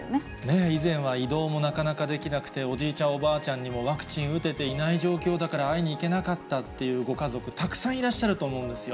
以前は移動もなかなかできなくて、おじいちゃん、おばあちゃんにもワクチン打てていない状況だから会いに行けなかったっていうご家族、たくさんいらっしゃると思うんですよ。